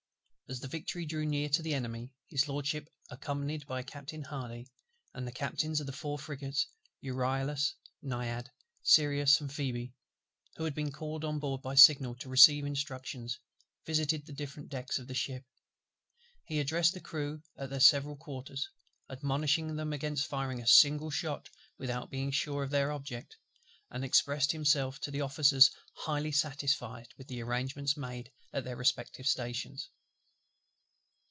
As the Victory drew near to the Enemy, HIS LORDSHIP, accompanied by Captain HARDY, and the Captains of the four frigates (Euryalus, Naiad, Sirius, and Phoebe) who had been called on board by signal to receive instructions, visited the different decks of the ship. He addressed the crew at their several quarters, admonishing them against firing a single shot without being sure of their object; and expressed himself to the Officers highly satisfied with the arrangements made at their respective stations.